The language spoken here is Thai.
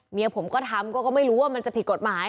เมียผมก็ทำก็ไม่รู้ว่ามันจะผิดกฎหมาย